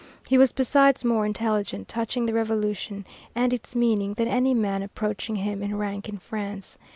He was besides more intelligent touching the Revolution and its meaning than any man approaching him in rank in France.